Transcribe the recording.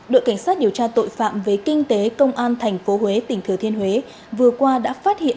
đội cảnh sát điều tra tội phạm về kinh tế công an tp huế tỉnh thừa thiên huế vừa qua đã phát hiện